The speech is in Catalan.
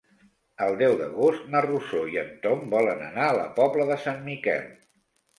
El deu d'agost na Rosó i en Tom volen anar a la Pobla de Sant Miquel.